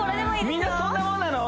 みんなそんなもんなの？